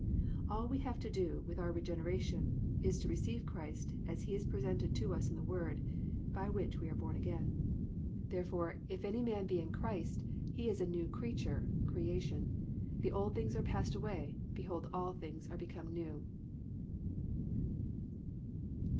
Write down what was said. All we have to do with our regeneration is to receive Christ as He is presented to us in the Word, by which we are born again. Therefore, +"If any man be in Christ he is a new creature (creation). The old things are passed away, behold all things are become new."